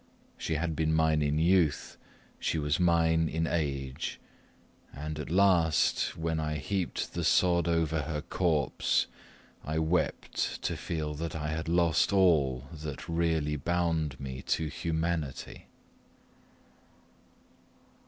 She had been mine in youth, she was mine in age, and at last, when I heaped the sod over her corpse, I wept to feel that I had lost all that really bound me to humanity.